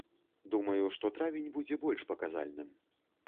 Думаю, што травень будзе больш паказальным.